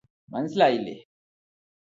മനസ്സിലായില്ലേ